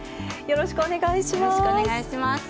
よろしくお願いします。